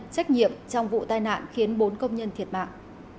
trách nhiệm trong vụ tai nạn khiến bốn công nhân thiệt mạng